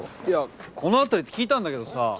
いやこの辺りって聞いたんだけどさ。